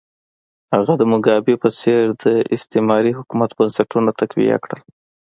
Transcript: هغه د موګابي په څېر د استعماري حکومت بنسټونه تقویه کړل.